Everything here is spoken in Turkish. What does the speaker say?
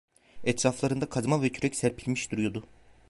Etraflarında kazma ve kürek serpilmiş duruyordu.